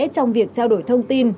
trong việc trao đổi thông tin